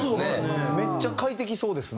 めっちゃ快適そうですね。